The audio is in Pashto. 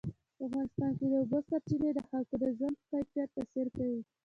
په افغانستان کې د اوبو سرچینې د خلکو د ژوند په کیفیت تاثیر کوي.